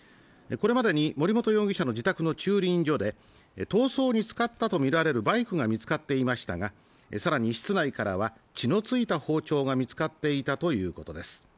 これまでに森本容疑者の自宅の駐輪場で逃走に使ったとみられるバイクが見つかっていましたがさらに室内からは血の付いた包丁が見つかっていたということです